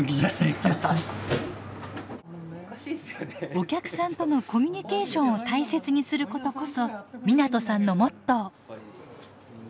お客さんとのコミュニケーションを大切にすることこそ湊さんのモットー。